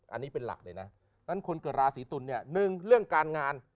อันนี้เป็นหลักเลยนะนั้นคนเกิดราศีตุลเนี่ยหนึ่งเรื่องการงาน